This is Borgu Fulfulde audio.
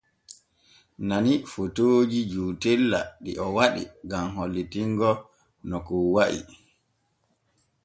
Nani fotooji jootela ɗi o waɗi gam hollitingo no kon wa’i.